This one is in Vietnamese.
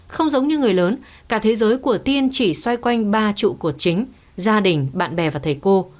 không giống như người lớn cả thế giới của tiên chỉ xoay quanh ba trụ của chính gia đình bạn bè và thầy cô